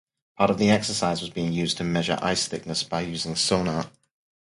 Part of the exercise was being used to measure ice thickness by using sonar.